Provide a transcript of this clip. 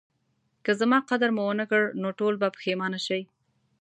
که زما قدر مو ونکړ نو ټول به پخیمانه شئ